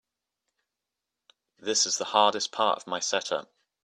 This is the hardest part of my setup.